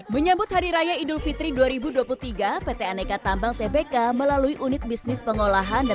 menyambut hari raya idul fitri dua ribu dua puluh tiga pt aneka tambang tbk melalui unit bisnis pengolahan dan